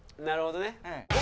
なるほどね。